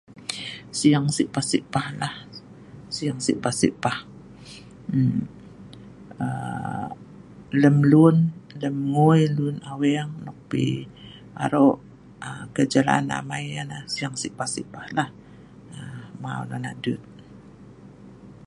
Sing sipah sipah nah sing sipah sipah eee aaa lem lun lem ngui lun aweng nok pi aro' aa perjalanan amai sing sipah sipahlah mau nonoh dut.